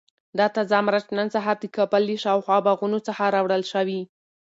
دا تازه مرچ نن سهار د کابل له شاوخوا باغونو څخه راوړل شوي.